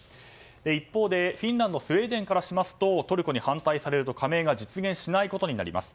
一方、フィンランドスウェーデンからしますとトルコに反対されると加盟が実現しないことになります。